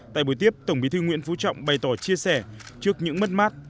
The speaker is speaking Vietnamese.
tại buổi tiếp tổng bí thư nguyễn phú trọng bày tỏ chia sẻ trước những mất mát